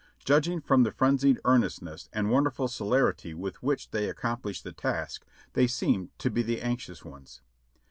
Judging from the frenzied earnestness and wonderful celerity with which they accomplished the task, they seemed to be the anxious ones.